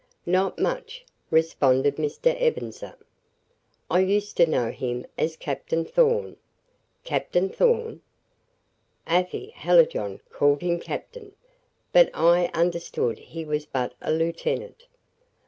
"Not much," responded Mr. Ebenezer. "I used to know him as Captain Thorn." "Captain Thorn?" "Afy Hallijohn called him captain; but I understood he was but a lieutenant."